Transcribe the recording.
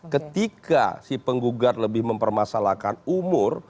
ketika si penggugat lebih mempermasalahkan umur